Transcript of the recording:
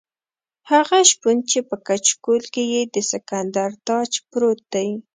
هغه شپون چې په کچکول کې یې د سکندر تاج پروت دی.